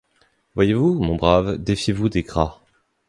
Voyez-vous, mon brave, défiez-vous des Gras.